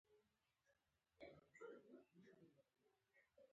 احمد عصري زده کړې په انګلستان کې ترسره کړې دي.